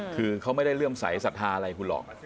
คือเขาไม่ได้เลื่อมใสสัทธาอะไรคุณหรอก